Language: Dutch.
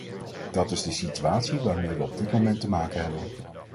Dat is de situatie waarmee we op dit moment te maken hebben.